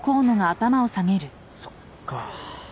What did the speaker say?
そっか。